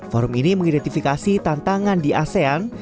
forum ini mengidentifikasi tantangan di asean